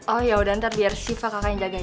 oh yaudah ntar biar siva kakak yang jagain